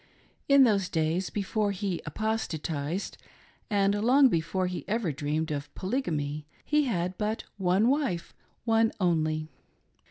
In those days, before he apostatised, and long before he ever dreamed of Polygamy, he had but one wife — one only